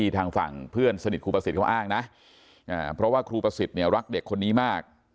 ทางฝั่งเพื่อนสนิทครูประสิทธิ์เขาอ้างนะเพราะว่าครูประสิทธิ์เนี่ยรักเด็กคนนี้มาก